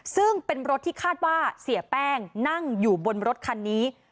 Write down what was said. ซึ่งเป็นรถที่คาดว่าเสียแป้งนั่งอยู่บนรถคันนี้